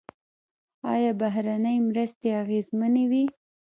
آیا بهرنۍ مرستې اغیزمنې وې؟